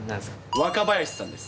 若林さんです。